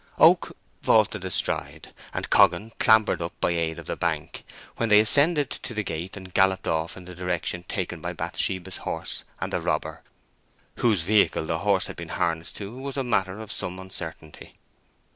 Oak vaulted astride, and Coggan clambered up by aid of the bank, when they ascended to the gate and galloped off in the direction taken by Bathsheba's horse and the robber. Whose vehicle the horse had been harnessed to was a matter of some uncertainty.